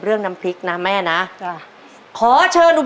ตัวเลือกที่สี่ชัชวอนโมกศรีครับ